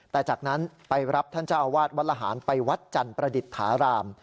แต่จากนั้นไปรับท่านเจ้าอาวาสวัดละหารไปวัดจันทร์ประดิษฐาราม